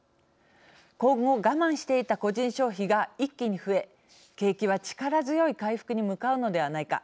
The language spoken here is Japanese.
今後我慢していた個人消費が一気に増え景気は力強い回復に向かうのではないか。